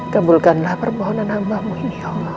kambulkanlah permohonan hambamu ini ya allah